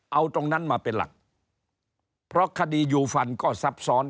เอาตรงนั้นมาเป็นหลักเพราะคดียูฟันก็ซับซ้อน